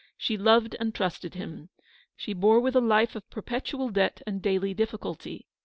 She loved and trusted him. She bore with a life of perpetual debt and daily difficulty.